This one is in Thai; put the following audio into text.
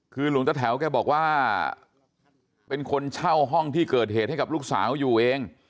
คือหลวงตะแถวแกบอกว่าเป็นคนเช่าห้องที่เกิดเหตุให้กับลูกสาวอยู่เอง